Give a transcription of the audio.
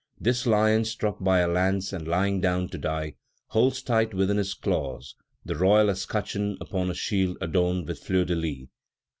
This lion, struck by a lance, and lying down to die, holds tight within his claws the royal escutcheon upon a shield adorned with fleurs de lis.